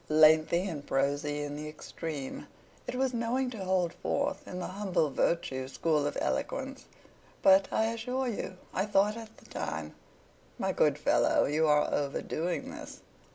Lengthy and prosy in the extreme. It was knowing to hold forth, in the humble virtue school of eloquence; but, I assure you I thought at the time, "My good fellow, you are over doing this!"